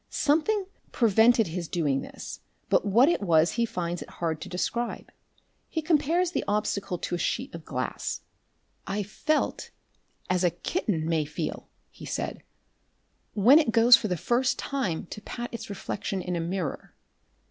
Something prevented his doing this, but what it was he finds it hard to describe. He compares the obstacle to a sheet of glass. "I felt as a kitten may feel," he said, "when it goes for the first time to pat its reflection in a mirror."